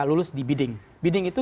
lulus di bidding bidding itu